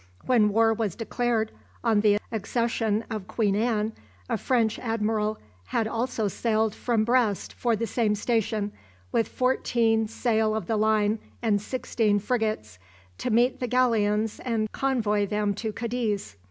When war was declared on the accession of Queen Anne, a French admiral had also sailed from Brest for the same station, with fourteen sail of the line and sixteen frigates, to meet the galleons and convoy them to Cadiz.